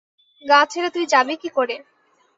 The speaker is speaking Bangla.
গা ছেড়ে তুই যাবি কি করে?